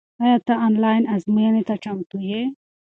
آیا ته آنلاین ازموینې ته چمتو یې؟